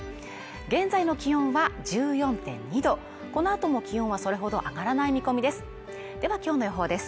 現在の気温は１４．２度、この後も気温はそれほど上がらない見込みですでは今日の予報です